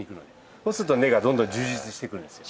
そうすると根がどんどん充実してくるんですよ。